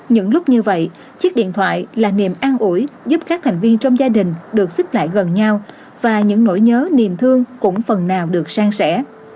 những lúc như vậy chiếc điện thoại là niềm an ủi giúp các thành viên trong gia đình được xích lại gần nhau và những nỗi nhớ niềm thương cũng phần nào được sang sẻ